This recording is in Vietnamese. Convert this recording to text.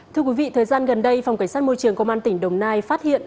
thưa quý vị thời gian gần đây phòng cảnh sát môi trường công an tỉnh đồng nai phát hiện